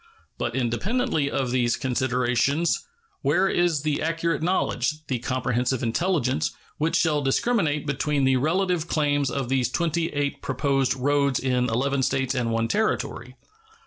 But independently of these considerations, where is the accurate knowledge, the comprehensive intelligence, which shall discriminate between the relative claims of these twenty eight proposed roads in eleven States and one Territory?